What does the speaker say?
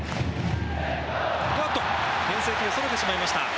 けん制球がそれてしまいました。